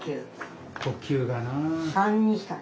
呼吸がなあ。